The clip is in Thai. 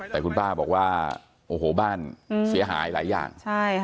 แต่คุณป้าบอกว่าโอ้โหบ้านเสียหายหลายอย่าง